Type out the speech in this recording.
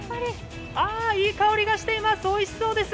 ああ、いい香りがしています。